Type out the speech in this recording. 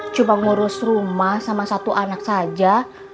cuma ngurus rumah sama satu anak saja